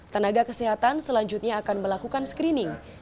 tenaga kesehatan selanjutnya akan melakukan screening